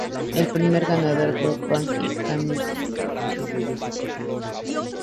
El primer ganador fue Frank Kaminsky.